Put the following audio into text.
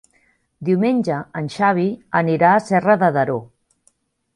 Diumenge en Xavi anirà a Serra de Daró.